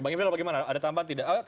bang yves ada tambahan tidak